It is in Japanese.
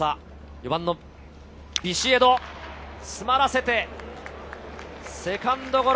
４番のビシエド、詰まらせてセカンドゴロ。